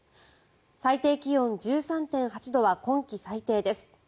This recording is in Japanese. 最低気温１３．８度は今季最低です。